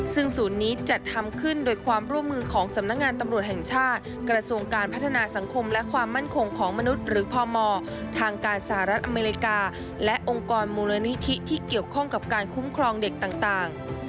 ซึ่งศูนย์นี้จัดทำขึ้นโดยความร่วมมือของสำนักงานตำรวจแห่งชาติกระทรวงการพัฒนาสังคมและความมั่นคงของมนุษย์หรือพมทางการสหรัฐอเมริกาและองค์กรมูลนิธิที่เกี่ยวข้องกับการคุ้มครองเด็กต่าง